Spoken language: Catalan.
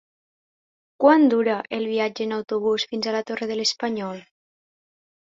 Quant dura el viatge en autobús fins a la Torre de l'Espanyol?